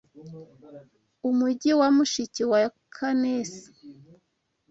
umujyi wa mushiki wa Canesi